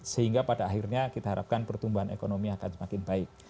sehingga pada akhirnya kita harapkan pertumbuhan ekonomi akan semakin baik